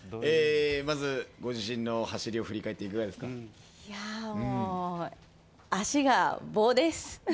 まずご自身の走りを振り返って足が棒です。